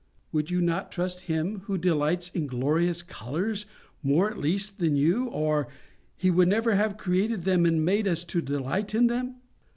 Would you not trust Him who delights in glorious colours—more at least than you, or He would never have created them and made us to delight in them?